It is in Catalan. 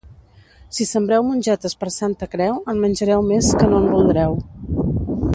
Si sembreu mongetes per Santa Creu en menjareu més que no en voldreu.